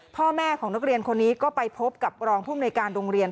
พ่อแม่ของนักเรียนคนนี้ก็ไปพบกับรองภูมิหน่วยการโรงเรียน